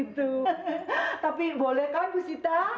tapi boleh kan bu sita